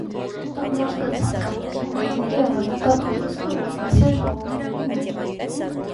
Տղամարդկանց, հատկապես հովիվների ավանդական հագուստ է կովկասյան ժողովուրդների մոտ։